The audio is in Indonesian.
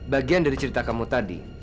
bagian dari cerita kamu tadi